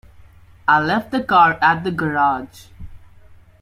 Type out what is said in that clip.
I left the car at the garage.